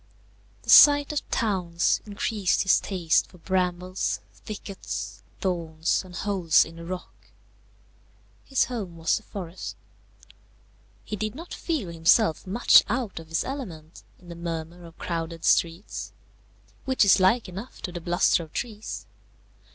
The sight of towns increased his taste for brambles, thickets, thorns, and holes in the rock. His home was the forest. He did not feel himself much out of his element in the murmur of crowded streets, which is like enough to the bluster of trees.